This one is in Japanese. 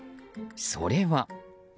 それは。